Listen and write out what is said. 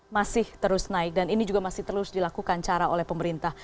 masih terus naik dan ini juga masih terus dilakukan cara oleh pemerintah